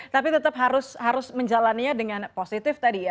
tapi tetap harus menjalannya dengan positif tadi ya